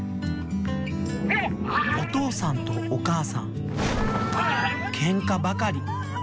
おとうさんとおかあさんケンカばかり。